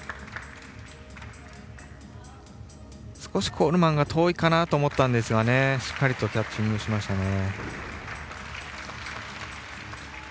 少しコールマンが遠いかなと思ったんですがしっかりキャッチングしましたね。